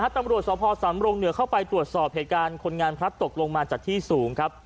ตำรวจสภสำรงเหนือเข้าไปตรวจสอบเหตุการณ์คนงานพลัดตกลงมาจากที่สูงครับ